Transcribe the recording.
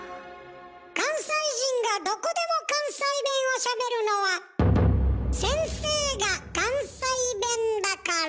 関西人がどこでも関西弁をしゃべるのは先生が関西弁だから。